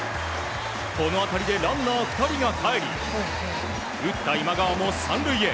この当たりでランナー２人がかえり打った今川も３塁へ。